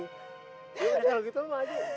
ya kalau gitu mak aji